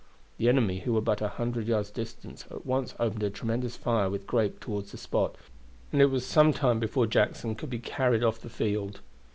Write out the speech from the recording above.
The enemy, who were but a hundred yards distant, at once opened a tremendous fire with grape toward the spot, and it was some time before Jackson could be carried off the field.